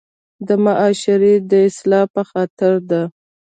د معاشري د اصلاح پۀ خاطر ده